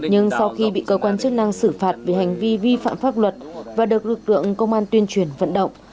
nhưng sau khi bị cơ quan chức năng xử phạt vì hành vi vi phạm pháp luật và được lực lượng công an tuyên truyền vận động